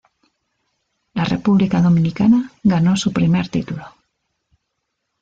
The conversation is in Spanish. La República Dominicana ganó su primer título.